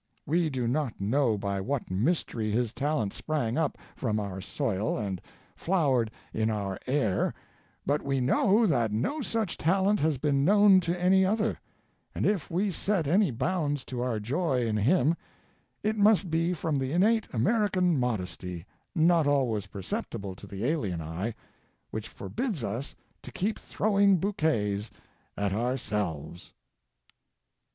We do not know by what mystery his talent sprang up from our soil and flowered in our air, but we know that no such talent has been known to any other; and if we set any bounds to our joy in him, it must be from that innate American modesty, not always perceptible to the alien eye, which forbids us to keep throwing bouquets at ourselves.